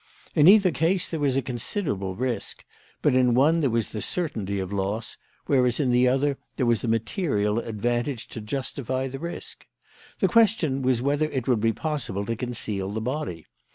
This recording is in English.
In either case there was considerable risk, but in one there was the certainty of loss, whereas in the other there was a material advantage to justify the risk. The question was whether it would be possible to conceal the body.